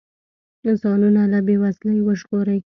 ځانونه له بې وزلۍ وژغوري.